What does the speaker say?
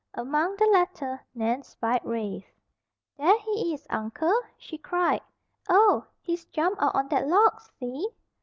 Among the latter Nan spied Rafe. "There he is, Uncle!" she cried. "Oh! He's jumped out on that log, see?"